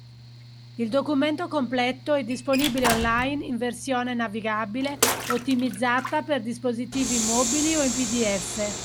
Il documento completo è disponibile online in versione navigabile ottimizzata per dispositivi mobili o in PDF.